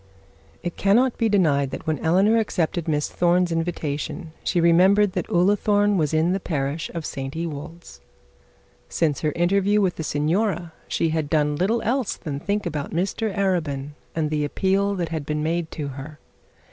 It cannot be denied that when Eleanor accepted Miss Thorne's invitation, she remembered that Ullathorne was in the parish of St Ewold's. Since her interview with the signora she had done little else than think about Mr Arabin, and the appeal that had been made to her.